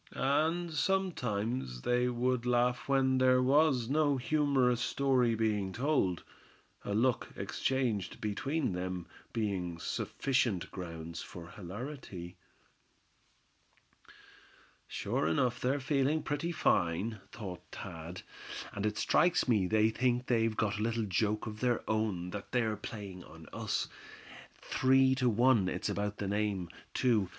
And sometimes they would laugh when there was no humorous story being told; a look exchanged between them being sufficient grounds for hilarity. "They're sure enough feeling pretty fine," thought Thad; "and it strikes me they think they've got a little joke of their own that they're playing on us. Three to one it's about that name, too.